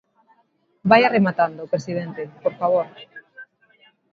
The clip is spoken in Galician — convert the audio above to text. Vaia rematando, presidente, por favor.